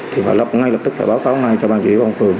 thì phải lập ngay lập tức báo cáo ngay cho bà chủ yếu phòng phường